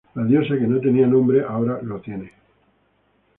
La diosa que no tenía nombre ahora lo tiene".